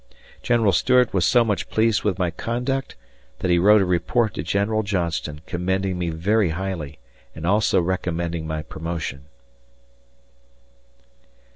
General Stuart was so much pleased with my conduct that he wrote a report to General Johnston commending me very highly and also recommending my promotion.